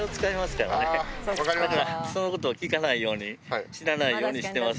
そういうことは聞かないように知らないようにしてますんで。